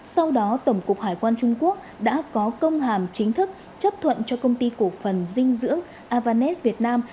sau đó tổng cục hải quan trung quốc đã có công hàm chính thức chấp thuận cho công ty cổ phần dinh dưỡng avanes việt nam